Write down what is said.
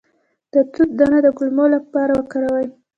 د توت دانه د کولمو لپاره وکاروئ